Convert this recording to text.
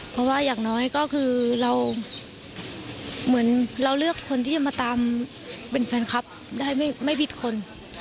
เพราะว่าอย่างน้อยก็คือเราเหมือนเราเลือกคนที่จะมาตามเป็นแฟนคลับได้ไม่ผิดคน